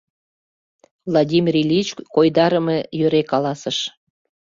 — Владимир Ильич койдарыме йӧре каласыш.